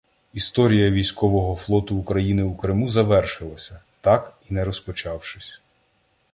Історія військового флоту України у Криму завершилася, так і не розпочавшись.